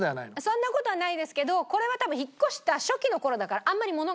そんな事はないですけどこれは多分引っ越した初期の頃だからあんまり物がない頃ですまだ。